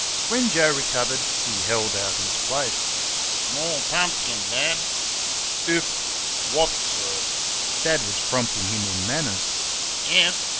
When Joe recovered he held out his plate. "More pumpkin, Dad." "If what, sir?" Dad was prompting him in manners. "IF?"